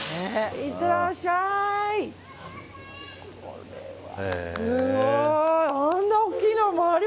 いってらっしゃい！